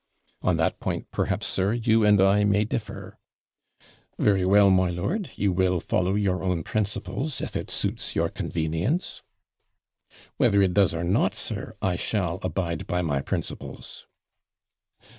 'On that point, perhaps, sir, you and I may differ.' 'Very well, my lord, you will follow your own principles, if it suits your convenience.' 'Whether it does or not, sir, I shall abide by my principles.'